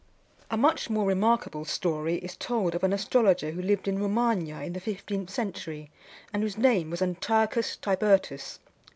A much more remarkable story is told of an astrologer who lived in Romagna in the fifteenth century, and whose name was Antiochus Tibertus.